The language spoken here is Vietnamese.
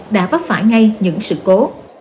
đã vấp phải ngay những sự cố